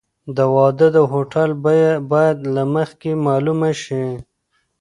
د واده د هوټل بیه باید له مخکې معلومه شي.